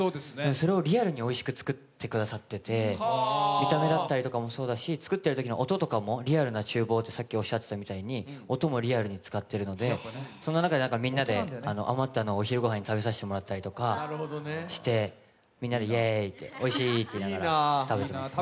それをリアルにおいしく作ってくださっていて見た目だったりとかもそうですし作ってるときの音とかも、リアルに使ってるのでそんな中でみんなで、余ったのをお昼ごはんに食べさせてもらったりとかしてみんなでイェーイ、おいしいって言いながら食べてます。